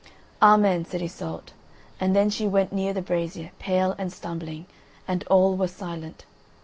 "Amen," said Iseult, and then she went near the brazier, pale and stumbling, and all were silent.